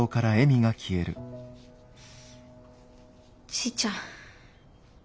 じいちゃん